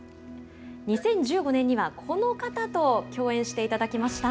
２０１５年にはこの方と共演していただきました。